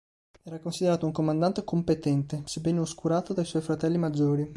Era considerato un comandante competente, sebbene oscurato dai suoi fratelli maggiori.